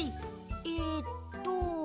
えっと。